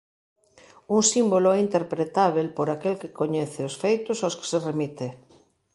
Un símbolo é interpretábel por aquel que coñece os feitos aos que se remite.